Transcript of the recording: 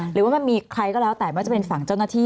หรือว่ามันมีใครก็แล้วแต่ไม่ว่าจะเป็นฝั่งเจ้าหน้าที่